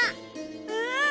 うん！